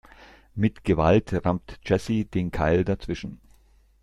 Mit Gewalt rammt Jessy den Keil dazwischen.